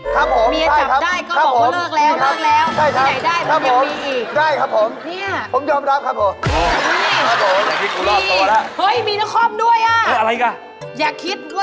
ครับผมใช่ครับเมียจับได้ก็บอกว่าเลิกแล้ว